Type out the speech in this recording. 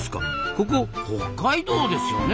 ここ北海道ですよね？